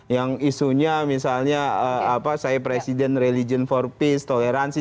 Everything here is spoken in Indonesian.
yang isunya misalnya saya presiden religion for peace toleransi